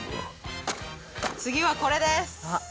次はこれです。